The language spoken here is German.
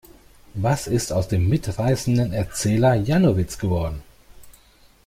Was ist aus dem mitreißenden Erzähler Janowitz geworden?